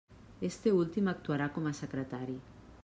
Este últim actuarà com a secretari.